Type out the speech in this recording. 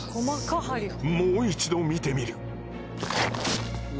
もう一度見てみる。